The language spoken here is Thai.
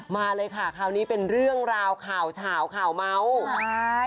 มาเลยค่ะคราวนี้เป็นเรื่องราวข่าวเฉาข่าวเมาส์ใช่